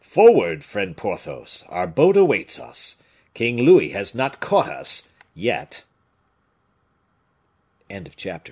"Forward, friend Porthos; our boat awaits us. King Louis has not caught us yet." Chapter X